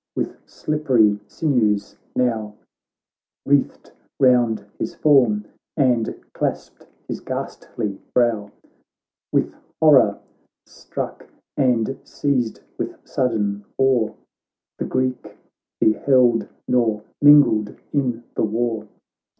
with slippery sinews now Wreathed round his form, and clasped his ghastly brow ; With horror struck and seized with sud den awe The Greek beheld, nor mingled in the war.